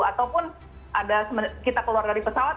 ataupun ada kita keluar dari pesawat